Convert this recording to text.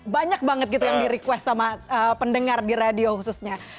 banyak banget gitu yang di request sama pendengar di radio khususnya